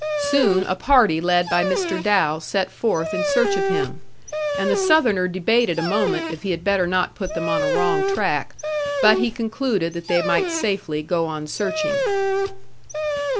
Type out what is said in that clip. Soon a party led by Mr. Dow set forth in search of him, and the Southerner debated a moment if he had better not put them on a wrong track. But he concluded that they might safely go on searching.